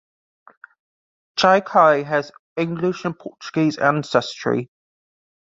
Jay Kay has English and Portuguese ancestry.